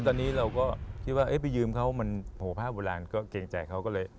ตอนนี้เราก็คิดว่าไปยืมเขามันโหภาพโบราณก็เกรงใจเขาก็เลย